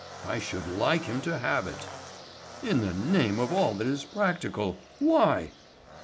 I should like him to have it." "In the name of all that is practical, why?"